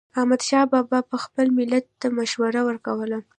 احمدشاه بابا به خپل ملت ته مشوره ورکوله.